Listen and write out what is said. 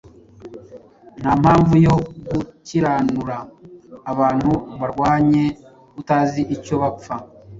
Nta mpamvu yo gukiranura abantu barwanye utazi icyo bapfa